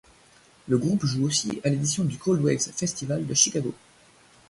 Le groupe joue aussi à l'édition du Cold Waves Festival de Chicago.